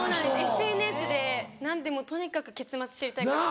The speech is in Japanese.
ＳＮＳで何でもとにかく結末知りたい。